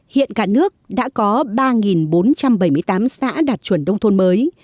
hiện cả nước đã có ba bốn trăm bảy mươi tám xã đạt chuẩn nông thôn mới